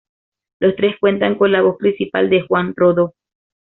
Los tres cuentan con la voz principal de Juan Rodó.